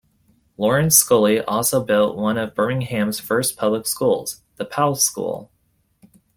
Lawrence Scully also built one of Birmingham's first public schools, the Powell School.